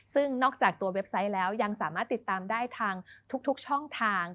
ซึ่งนอกจากตัวเว็บไซต์แล้วยังสามารถติดตามได้ทางทุกช่องทาง